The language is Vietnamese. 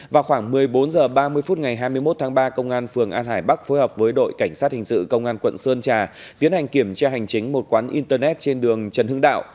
hai mươi phút ngày hai mươi một tháng ba công an phường an hải bắc phối hợp với đội cảnh sát hình sự công an quận sơn trà tiến hành kiểm tra hành chính một quán internet trên đường trần hưng đạo